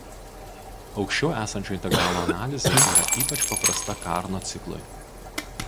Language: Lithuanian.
Aukščiau esančio integralo analizė yra ypač paprasta Karno ciklui.